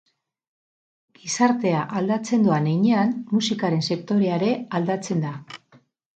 Gizartea aldatzen doan heinean, musikaren sektorea ere aldatzen da.